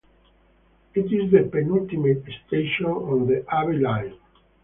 It is the penultimate station on the Abbey Line.